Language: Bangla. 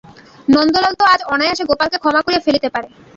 নন্দলাল তো আজ অনায়াসে গোপালকে ক্ষমা করিয়া ফেলিতে পারে।